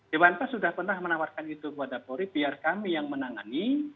dewan pers sudah pernah menawarkan itu kepada polri biar kami yang menangani